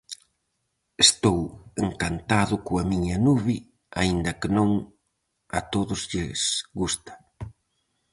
Estou encantado coa miña nube, aínda que non a todos lles gusta...